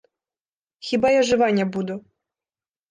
Хіба я жыва не буду!